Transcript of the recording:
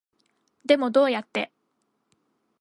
でもどうやって